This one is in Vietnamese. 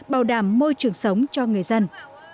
bảo đảm môi trường sống cho người dân